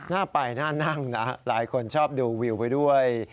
น่าไปน่านั่งนะหลายคนชอบดูวิวไปด้วย